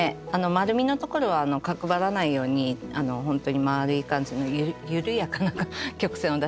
まるみのところは角張らないようにほんとにまるい感じの緩やかな曲線を出してますね。